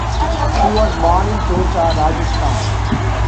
He was born in Kota, Rajasthan.